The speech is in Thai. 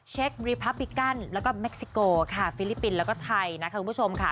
เช็คบรีพับบิกั้นแล้วก็เม็กซิโกค่ะฟิลิปปินส์แล้วก็ไทยนะคะคุณผู้ชมค่ะ